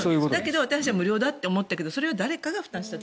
私たちは無料だと思っていたけどそれは誰かが負担していたと。